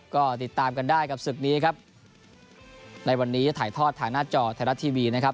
ก็ติดตามกันได้กับศึกนี้ครับในวันนี้ถ่ายทอดทางหน้าจอไทยรัฐทีวีนะครับ